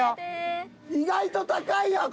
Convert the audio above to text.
意外と高いやん！